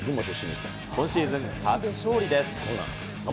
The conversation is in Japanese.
今シーズン初勝利です。